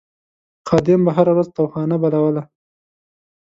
خادم به هره ورځ تاوخانه بلوله.